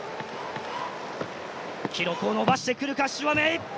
記録を伸ばしてくるか、朱亜明。